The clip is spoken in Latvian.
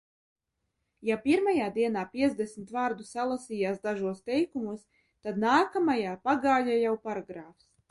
Ja pirmajā dienā piecdesmit vārdu salasījās dažos teikumos, tad nākamajā pagāja jau paragrāfs.